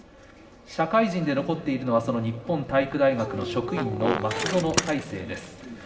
社会人で残っているのは、日本体育大学の職員の松園大成です。